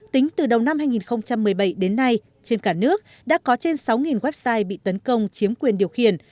tính từ đầu năm hai nghìn một mươi bảy đến nay trên cả nước đã có trên sáu website bị tấn công chiếm quyền điều khiển